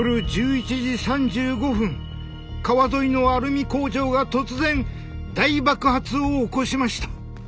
川沿いのアルミ工場が突然大爆発を起こしました。